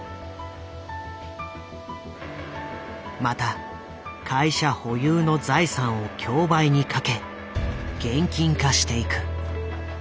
また会社保有の財産を競売にかけ現金化していく。